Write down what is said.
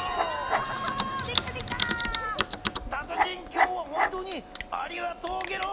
今日は本当にありがとうゲロ！